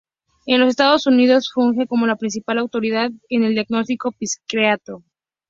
En los Estados Unidos, funge como la principal autoridad en el diagnóstico psiquiátrico.